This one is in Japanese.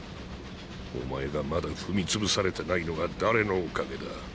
お前がまだ踏み潰されてないのは誰のおかげだ？